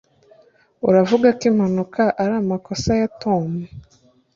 uravuga ko impanuka ari amakosa ya tom?